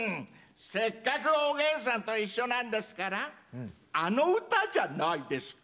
せっかく「おげんさんといっしょ」なんですからあの歌じゃないですか？